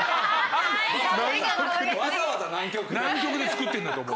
南極で作ってるんだと思う。